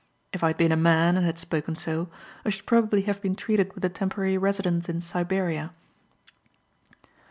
If I had been a man and had spoken so, I should probably have been treated with a temporary residence in Siberia.